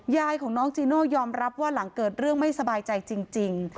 ยายของน้องจีโน่ยอมรับว่าหลังเกิดเรื่องไม่สบายใจจริง